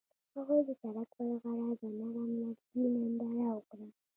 هغوی د سړک پر غاړه د نرم لرګی ننداره وکړه.